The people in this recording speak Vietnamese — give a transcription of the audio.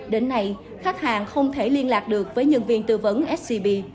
đến nay khách hàng không thể liên lạc được với nhân viên tư vấn scb